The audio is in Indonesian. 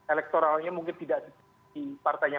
elektoralnya mungkin tidak di partainya